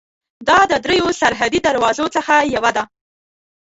دا د درېیو سرحدي دروازو څخه یوه ده.